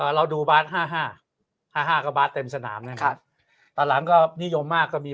เราดูบาส๕๕ก็บาสเต็มสนามนะครับตอนหลังก็นิยมมากก็มี